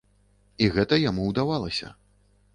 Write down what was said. І гэта яму ўдавалася.